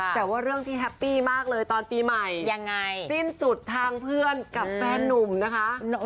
แต่ว่าเรื่องที่แฮปปี้มากเลยตอนปีใหม่สิ้นสุดทางเพื่อนกับแฟนนุ่มนะคะ